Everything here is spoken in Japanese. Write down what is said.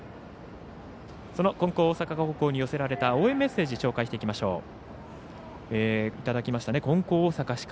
金光大阪高校に寄せられた応援メッセージ紹介していきましょう。